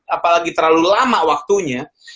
apalagi terlalu lama waktunya